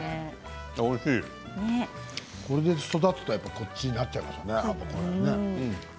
これで育つとこっちになっちゃいますよね。